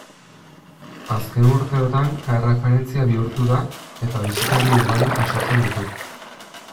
Azken urteotan erreferentzia bihurtu da eta bisitari ugari jasotzen ditu.